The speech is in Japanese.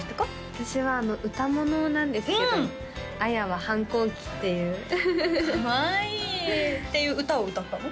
私は歌ものなんですけどうん「あやは反抗期」っていうかわいいっていう歌を歌ったの？